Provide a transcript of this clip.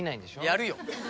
やるよ。